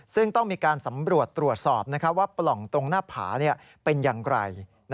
ซึ่งต้องมีการสำรวจตรวจสอบว่าปล่องตรงหน้าผาเป็นอย่างไร